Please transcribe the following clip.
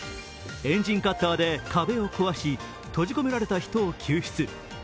エンジンカッターで壁を壊し閉じ込められた人を救出。